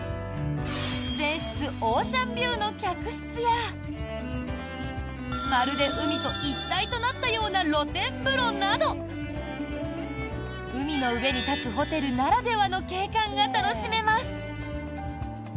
全室オーシャンビューの客室やまるで海と一体となったような露天風呂など海の上に立つホテルならではの景観が楽しめます。